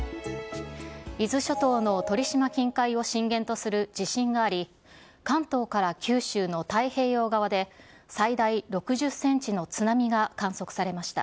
伊豆諸島の鳥島近海を震源とする地震があり、関東から九州の太平洋側で、最大６０センチの津波が観測されました。